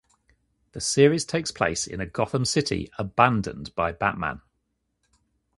The series takes place in a Gotham City abandoned by Batman.